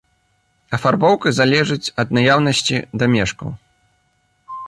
Афарбоўка залежыць ад наяўнасці дамешкаў.